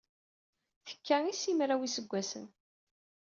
Tekka i simraw n yiseggasen.